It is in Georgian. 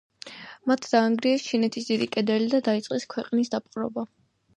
მათ დაანგრიეს ჩინეთის დიდი კედელი და დაიწყეს ქვეყნის დაპყრობა.